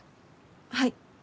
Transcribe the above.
はい。